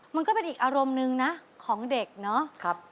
มันก็เป็นอีกอารมณ์นึงนะของเด็กเนาะ